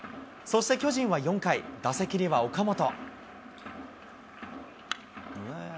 そして巨人は４回、打席には岡本。